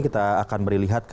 kita akan beri lihat